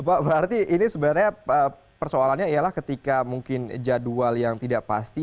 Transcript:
pak berarti ini sebenarnya persoalannya ialah ketika mungkin jadwal yang tidak pasti